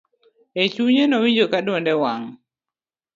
e chunye nowinjo ka duonde wang